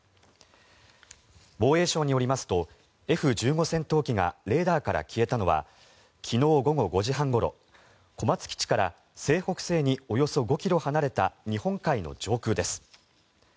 防衛省によりますとＦ１５戦闘機がレーダーから消えたのは昨日午後５時半ごろ小松基地から西北西におよそ５ｋｍ離れた日本海の上空です。